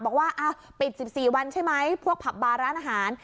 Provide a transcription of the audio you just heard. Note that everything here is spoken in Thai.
บอกว่าปิด๑๔วันใช่ไหมพวกผับบาร้านอาหาร